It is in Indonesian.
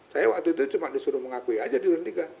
saya waktu itu cuma disuruh mengakui aja duran iii